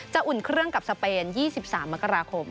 อุ่นเครื่องกับสเปน๒๓มกราคม